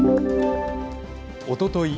おととい